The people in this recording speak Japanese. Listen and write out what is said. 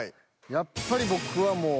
やっぱり僕はもう。